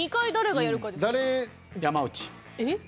えっ？